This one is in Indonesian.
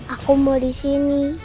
aku mau disini